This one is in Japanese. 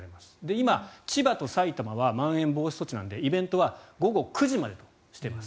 今、千葉と埼玉はまん延防止措置なのでイベントは午後９時までとしています。